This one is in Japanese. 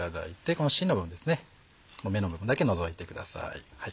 この芽の部分だけ除いてください。